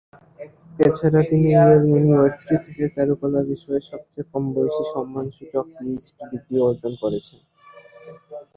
এ ছাড়া তিনি Yale University থেকে চারুকলা বিষয়ে সবচেয়ে কম বয়সী সম্মানসূচক পিএইচডি ডিগ্রি অর্জন করেছেন।